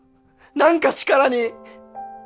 何か力に。